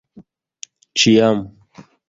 Ĉiam.